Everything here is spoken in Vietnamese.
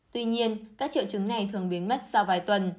tuy nhiên các triệu chứng này thường biến mất sau vài tuần